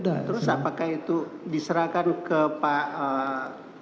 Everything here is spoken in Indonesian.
diserahkan ke pak